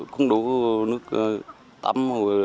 không đủ nước tắm